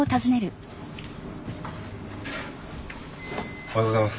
おはようございます。